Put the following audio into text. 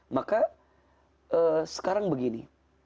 maka sekarang begini